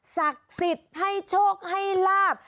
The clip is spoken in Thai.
ศักดิ์สิทธิ์ให้โชคให้ลาบ